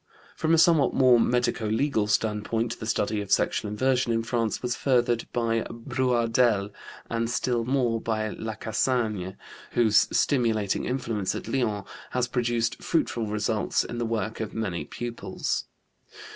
From a somewhat more medico legal standpoint, the study of sexual inversion in France was furthered by Brouardel, and still more by Lacassagne, whose stimulating influence at Lyons has produced fruitful results in the work of many pupils.